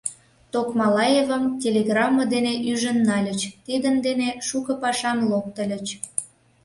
Токмалаевым телеграмме дене ӱжын нальыч, тидын дене шуко пашам локтыльыч.